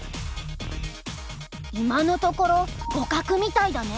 今のところ互角みたいだね。